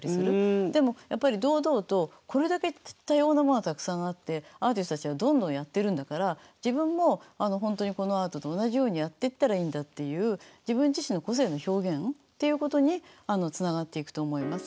でもやっぱり堂々とこれだけ多様なものがたくさんあってアーティストたちがどんどんやってるんだから自分も本当にこのアートと同じようにやっていったらいいんだっていう自分自身の個性の表現っていうことにつながっていくと思います。